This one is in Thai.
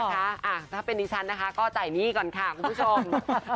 ถ้าเป็นดิฉันนะคะก็จ่ายหนี้ก่อนค่ะคุณผู้ชม